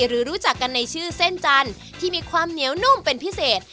รู้จักกันในชื่อเส้นจันทร์ที่มีความเหนียวนุ่มเป็นพิเศษ